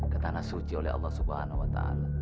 ke tanah suci oleh allah swt